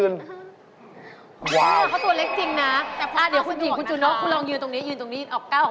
นี่แหละครับเป็นที่มาของคำว่า